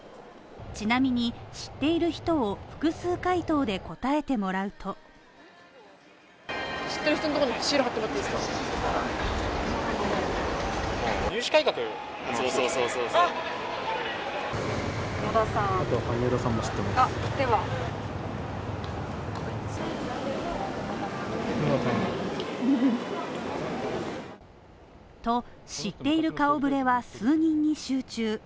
ちなみに知っている人を複数回答で答えてもらうとと知っている顔ぶれは数人に集中。